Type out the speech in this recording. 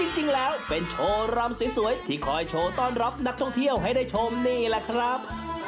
จริงแล้วเป็นโชว์รำสวยที่คอยโชว์ต้อนรับนักท่องเที่ยวให้ได้ชมนี่แหละครับ